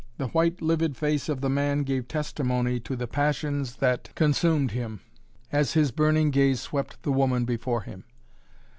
The white, livid face of the man gave testimony to the passions that consumed him, as his burning gaze swept the woman before him.